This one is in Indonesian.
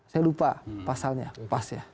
saya lupa pasalnya pas ya